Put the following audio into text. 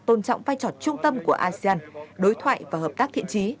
tôn trọng vai trò trung tâm của asean đối thoại và hợp tác thiện trí